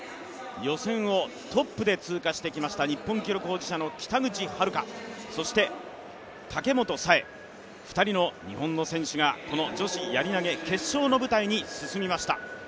予選をトップで通過してきました日本記録保持者の北口榛花、そして、武本紗栄、２人の日本の選手がこの女子やり投決勝の舞台に進みました。